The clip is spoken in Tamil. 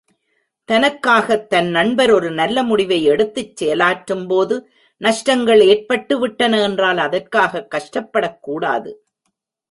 தனக்காகத் தன் நண்பர் ஒரு நல்ல முடிவை எடுத்துச் செயலாற்றும்போது நஷ்டங்கள் ஏற்பட்டுவிட்டன என்றால் அதற்காகக் கஷ்டப்படக் கூடாது.